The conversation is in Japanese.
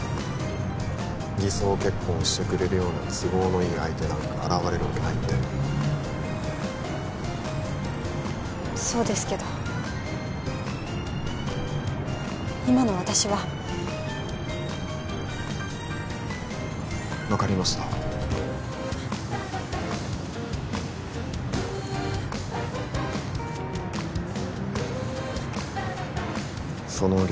偽装結婚をしてくれるような都合のいい相手なんか現れるわけないってそうですけど今の私は分かりましたその逆